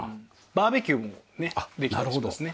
バーベキューもできたりしますね。